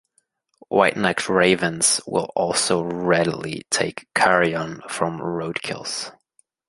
White-necked ravens will also readily take carrion from road kills.